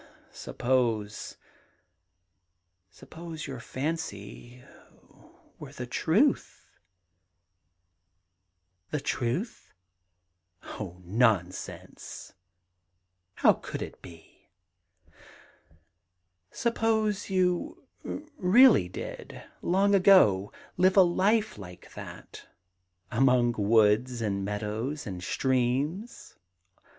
' Sup pose — suppose your fancy were the truth 1 '* The truth I Oh, nonsense 1 How could it be ?* 'Suppose you really did, long ago, live a life like thati* * Among woods and meadows and streams